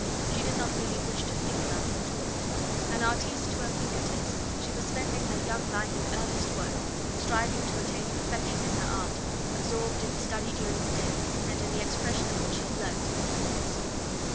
She did not really wish to think about it at all. An artiste to her finger tips, she was spending her young life in earnest work, striving to attain perfection in her art, absorbed in study during the day, and in the expression of what she had learnt in the evenings.